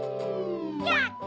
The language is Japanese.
やった！